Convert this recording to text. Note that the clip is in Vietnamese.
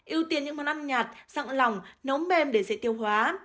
yêu tiên những món ăn nhạt rặng lòng nấu mềm để dễ tiêu hóa